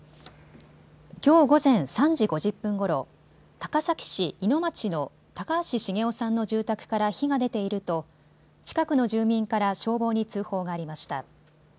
きょう午前３時５０分ごろ、高崎市井野町の高橋重雄さんの住宅から火が出ていると近くの住民から消防に通報がありました。